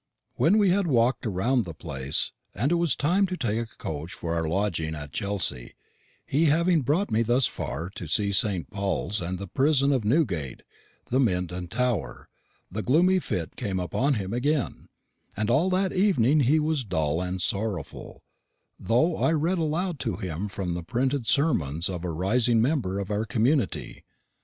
"When we had walked the round of the place, and it was time to take coach for our lodging at Chelsea he having brought me thus far to see St. Paul's and the prison of Newgate, the Mint and Tower the gloomy fit came on him again, and all that evening he was dull and sorrowful, though I read aloud to him from the printed sermons of a rising member of our community.